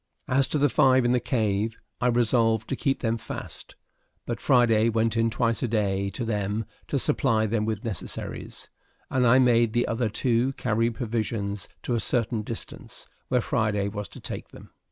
As to the five in the cave, I resolved to keep them fast, but Friday went in twice a day to them, to supply them with necessaries; and I made the other two carry provisions to a certain distance, where Friday was to take them.